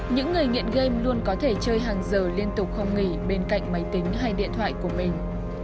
những người nghiện game luôn có thể chơi hàng giờ liên tục không nghỉ bên cạnh máy tính hay điện thoại của mình